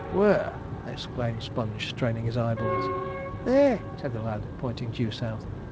'Where?' exclaimed Sponge, straining his eyeballs. 'There!' said the lad, pointing due south.